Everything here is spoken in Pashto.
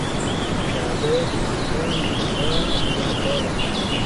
پیاله د ماښام د دعا یادګار ده.